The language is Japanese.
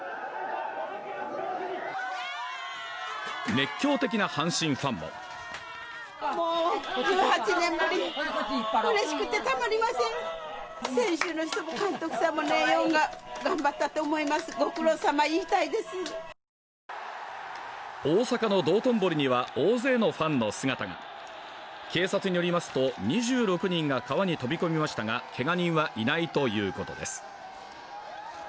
熱狂的な阪神ファンも大阪の道頓堀には大勢のファンの姿が警察によりますと２６人が川に飛び込みましたがけが人はいないということです